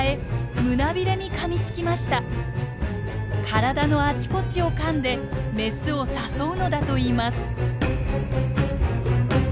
体のあちこちをかんでメスを誘うのだといいます。